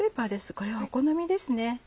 これはお好みですね。